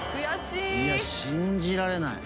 いや信じられない。